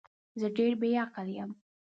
زه ډیر بی عقل یم